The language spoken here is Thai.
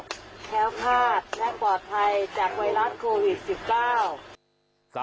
แค้วคาดและปลอดภัยจากไวรัสโควิด๑๙